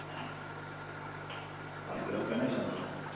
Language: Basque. Partidak bi ordu eta laurdeneko iraupena izan du.